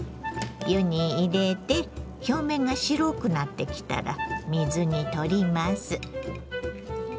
湯に入れて表面が白くなってきたら水にとります。